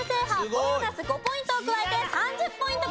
ボーナス５ポイントを加えて３０ポイント獲得です。